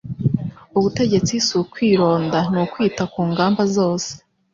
Ubutegetsi si ukwironda ni ukwita ku ngamba zose.